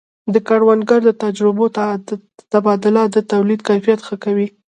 د کروندګرو د تجربو تبادله د تولید کیفیت ښه کوي.